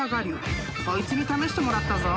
こいつに試してもらったぞ］